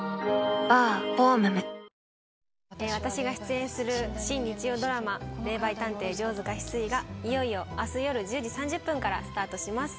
私が出演する新日曜ドラマ、霊媒探偵城塚翡翠がいよいよあす夜１０時３０分からスタートします。